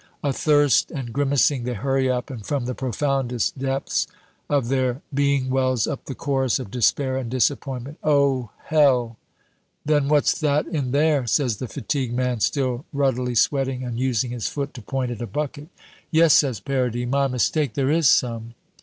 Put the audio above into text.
Athirst and grimacing, they hurry up; and from the profoundest depths of their being wells up the chorus of despair and disappointment, "Oh, Hell!" "Then what's that in there?" says the fatigue man, still ruddily sweating, and using his foot to point at a bucket. "Yes," says Paradis, "my mistake, there is some."